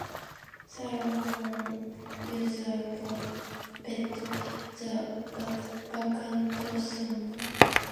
Sargon usurped the vacant throne.